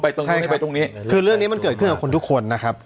ตรงนี้ไปตรงนี้คือเรื่องนี้มันเกิดขึ้นกับคนทุกคนนะครับ